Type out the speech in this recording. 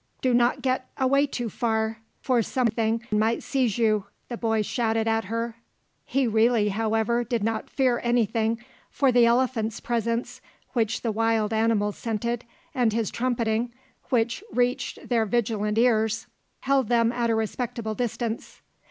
"Do not get away too far, for something might seize you," the boy shouted at her. He really, however, did not fear anything, for the elephant's presence, which the wild animals scented, and his trumpeting, which reached their vigilant ears, held them at a respectable distance.